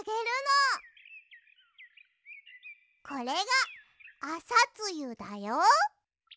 これがアサツユだよ。